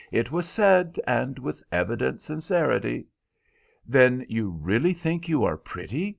It was said, and with evident sincerity." "Then you really think you are pretty?"